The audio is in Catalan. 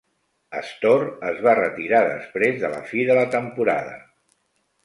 Stohr es va retirar després de la fi de la temporada.